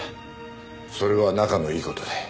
それは仲のいい事で。